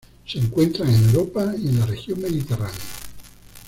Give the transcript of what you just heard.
Se encuentran en Europa y en la región Mediterránea.